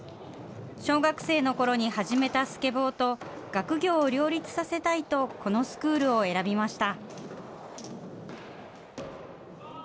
小学生のころに始めたスケボーと学業を両立させたいとこのスクールを選びました。